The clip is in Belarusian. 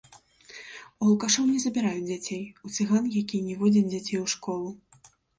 У алкашоў не забіраюць дзяцей, у цыган, якія не водзяць дзяцей у школу.